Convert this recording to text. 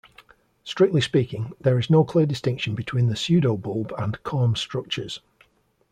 Strictly speaking, there is no clear distinction between the pseduobulb and corm structures.